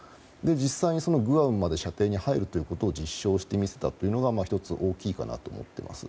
実際に、グアムまで射程に入るということを実証してみせたというのが１つ大きいかなと思っています。